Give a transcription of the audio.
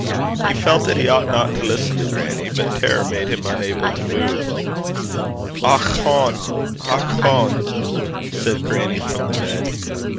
He felt that he ought not to listen to grannie, but terror made him unable to move. 'Och hone! och hone!' said grannie from the bed.